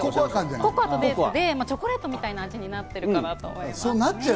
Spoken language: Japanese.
ココアとデーツでチョコレートみたいな味になってるんだと思います。